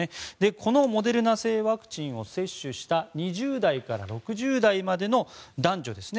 このモデルナ製ワクチンを接種した２０代から６０代までの男女ですね。